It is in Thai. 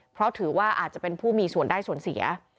เพราะถือว่าอาจจะเป็นผู้มีส่วนได้ส่วนเสีย